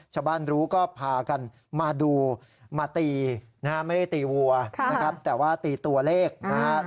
ชาวบ้านรู้ก็พากันมาดูมาตีนะฮะไม่ได้ตีวัวนะครับแต่ว่าตีตัวเลขนะครับ